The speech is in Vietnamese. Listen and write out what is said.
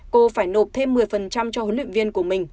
cô phải nộp thêm một mươi cho huấn luyện viên của mình